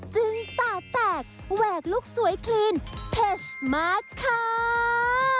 จื้นตาแตกแหวกลุกสวยคลีนเภชมากค่าาาา